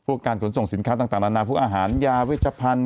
พวกการขนส่งสินค้าต่างร้านาผู้อาหารยาวิทยาพันธ์